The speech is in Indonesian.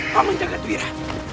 paman jaga tuwira